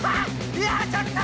いやちょっと。